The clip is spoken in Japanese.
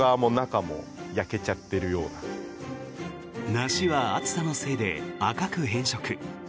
梨は暑さのせいで赤く変色。